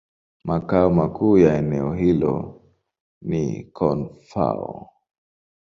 Makao makuu ya eneo hilo ni Koun-Fao.